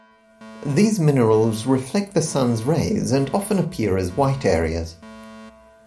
These minerals reflect the Sun's rays and often appear as white areas.